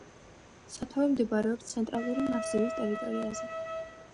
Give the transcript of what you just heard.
სათავე მდებარეობს ცენტრალური მასივის ტერიტორიაზე.